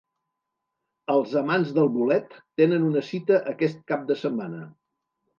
Els amants del bolet tenen una cita aquest cap de setmana.